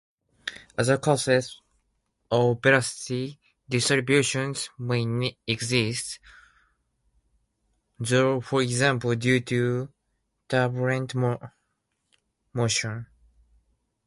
Other causes of velocity distributions may exist, though, for example due to turbulent motion.